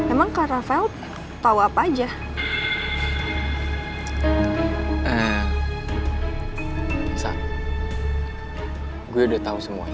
emangnya kak ravel cerita apa aja sih ke mbak andin soal saya sama riki